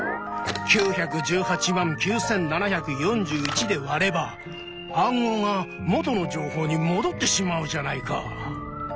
９１８９７４１で割れば暗号が「元の情報」にもどってしまうじゃないか。